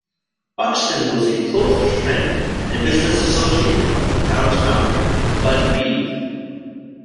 Buxton was a close friend and business associated of the town's founder, Budd Reeve.